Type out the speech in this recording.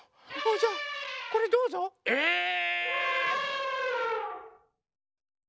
じゃあこれどうぞ！えっ！